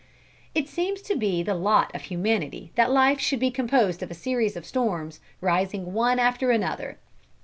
It seems to be the lot of humanity that life should be composed of a series of storms, rising one after another.